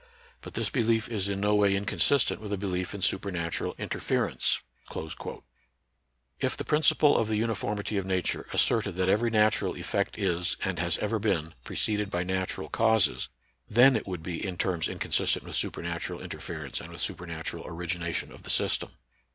But this belief is in no way inconsistent with a belief in supernatural interference." * If the principle of the uni formity of Nature asserted that every natural effect is, and has ever been, preceded by natu ral causes, then it would be in terms inconsistent with supernatural interference and with super natural origination of the system.